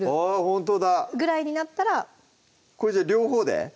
ほんとだぐらいになったらこれじゃあ両方で？